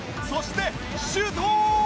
そしてシュート！